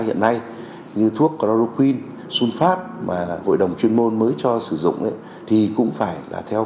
sử dụng như thuốc chloroquine xun phát mà hội đồng chuyên môn mới cho sử dụng thì cũng phải là theo